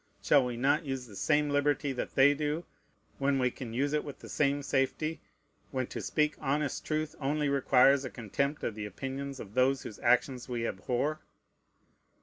Shall we not use the same liberty that they do, when we can use it with the same safety, when to speak honest truth only requires a contempt of the opinions of those whose actions we abhor?